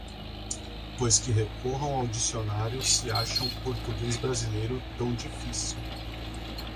Pois que recorram ao dicionário se acham o português brasileiro tão difícil